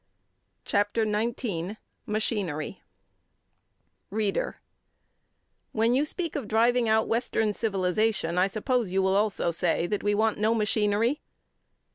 CHAPTER XIX MACHINERY READER: When you speak of driving out Western civilization, I suppose you will also say that we want no machinery.